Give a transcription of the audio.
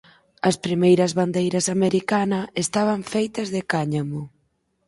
As primeiras bandeiras americana estaban feitas de cáñamo.